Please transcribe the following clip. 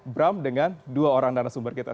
bram dengan dua orang narasumber kita